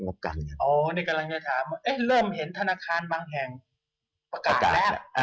งบการเงินอ๋อนี่กำลังจะถามเอ๊ะเริ่มเห็นธนาคารบางแห่งประกาศอ่า